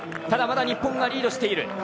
ただ、まだ日本がリードしている。